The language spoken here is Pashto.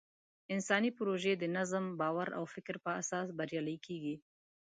انساني پروژې د نظم، باور او فکر په اساس بریالۍ کېږي.